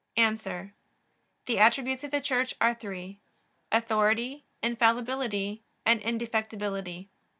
A. The attributes of the Church are three: authority infallibility, and indefectibility.